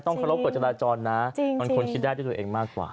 เคารพกฎจราจรนะมันควรคิดได้ด้วยตัวเองมากกว่า